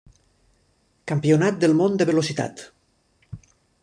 Campionat del Món de Velocitat.